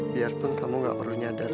biar pun kamu gak perlu nyadar